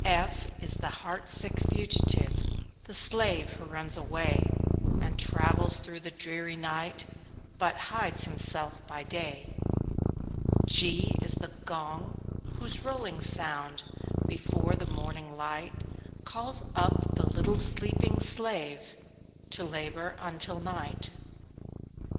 F F is the heart sick Fugitive, The slave who runs away, And travels through the dreary night, But hides himself by day. G G is the Gong, whose rolling sound, Before the morning light, Calls up the little sleeping slave, To labor until night.